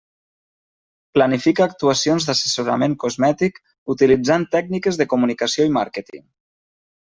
Planifica actuacions d'assessorament cosmètic utilitzant tècniques de comunicació i màrqueting.